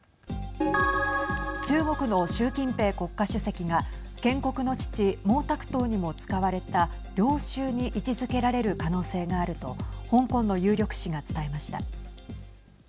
中国の習近平国家主席が建国の父、毛沢東にも使われた領袖に位置づけられる可能性があると香港の有力紙が伝えました。